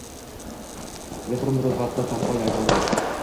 Mexr muruvvatda tanxo yagonam